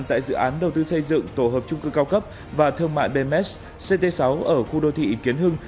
tại dự án đầu tư xây dựng tổ hợp trung cư cao cấp và thương mại bms ct sáu ở khu đô thị kiến hưng